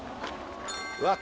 うわっ